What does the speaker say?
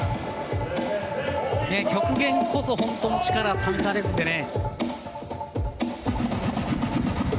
極限こそ本当の力が試されるんでね。